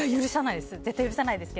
許さないです。